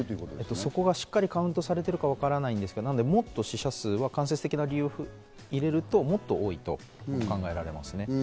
そこがしっかりカウントされているかわからないですけど、間接的な理由を入れると、もっと多いと考えられますね。